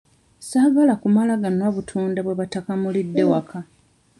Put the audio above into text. Saagala kumala ganywa butunda bwe batakamulidde waka.